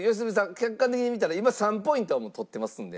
客観的に見たら今３ポイントは取ってますので。